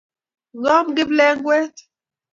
Ngom kiplengwet